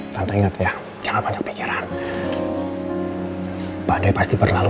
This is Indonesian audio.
tante ingat ya jangan banyak pikiran badai pasti berlalu